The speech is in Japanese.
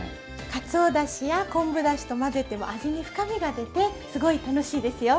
かつおだしや昆布だしと混ぜても味に深みが出てすごい楽しいですよ。